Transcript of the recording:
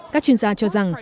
các chuyên gia cho rằng